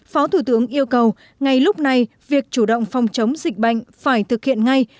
phó thủ tướng yêu cầu ngay lúc này việc chủ động phòng chống dịch bệnh phải thực hiện ngay